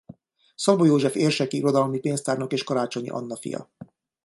Szabó József érseki uradalmi pénztárnok és Karácsonyi Anna fia.